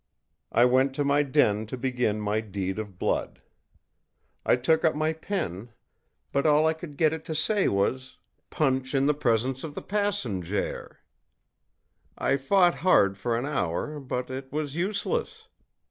I went to my den to begin my deed of blood. I took up my pen, but all I could get it to say was, ìPunch in the presence of the passenjare.î I fought hard for an hour, but it was useless.